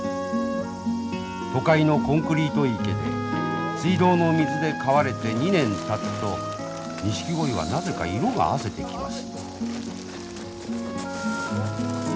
都会のコンクリート池で水道の水で飼われて２年たつとニシキゴイはなぜか色があせてきます。